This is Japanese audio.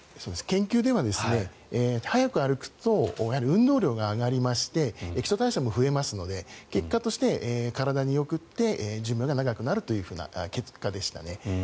研究では速く歩くと運動量が上がりまして基礎代謝も増えますので結果として体によくて寿命が長くなるという結果でしたね。